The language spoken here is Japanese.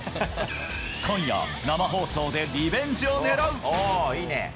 今夜、生放送でリベンジを狙う。